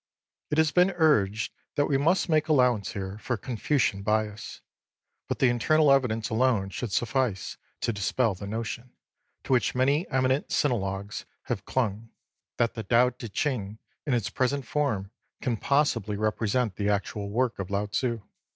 It has been urged that we must make allowance here for Confucian bias ; but the internal evidence alone should suffice to dispel the notion, to which many eminent sinologues have clung, that the Tao Ti Ching in its present form can possibly represent the actual work of Lao Tzu.